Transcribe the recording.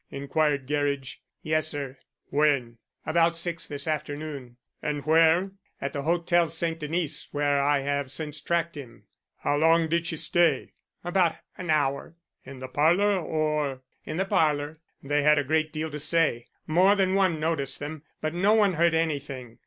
inquired Gerridge. "Yes, sir." "When?" "About six this afternoon." "And where?" "At the hotel St. Denis where I have since tracked him." "How long did she stay?" "About an hour." "In the parlor or " "In the parlor. They had a great deal to say. More than one noticed them, but no one heard anything.